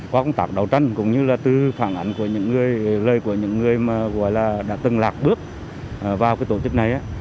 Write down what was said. qua công tác đấu tranh cũng như là từ phản ảnh lời của những người đã từng lạc bước vào tổ chức này